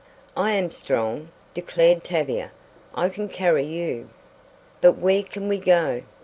"I am strong," declared Tavia. "I can carry you." "But where can we go?